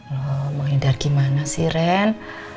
loh menghindar gimana sih ren